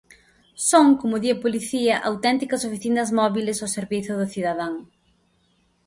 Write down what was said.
Son, como di a Policía, auténticas oficinas móbiles ao servizo do cidadán.